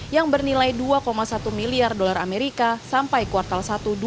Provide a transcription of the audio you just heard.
yang bernilai dua satu miliar dolar amerika sampai kuartal satu dua ribu dua puluh